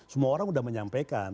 semua orang sudah menyampaikan